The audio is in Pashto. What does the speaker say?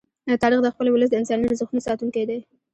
تاریخ د خپل ولس د انساني ارزښتونو ساتونکی دی.